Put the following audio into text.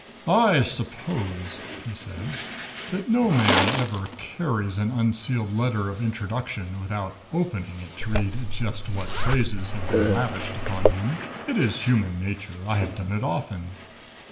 "I suppose," he said, "that no man ever carries an unsealed letter of introduction without opening it to read just what praises have been lavished upon him. It is human nature I have done it often.